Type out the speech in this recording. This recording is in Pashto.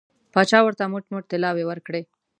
پاچا ورته موټ موټ طلاوې ورکوي.